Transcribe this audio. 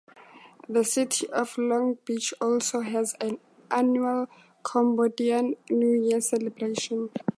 The city of Long Beach also has an annual Cambodian New Year celebration.